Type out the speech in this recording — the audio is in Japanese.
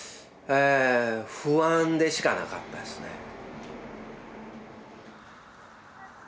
不安でしかなかったですね。